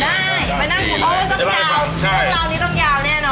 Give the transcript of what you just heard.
อ๋อเรื่องราวเรื่องราวนี้ต้องยาวแน่นอน